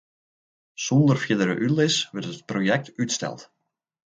Sûnder fierdere útlis wurdt it projekt útsteld.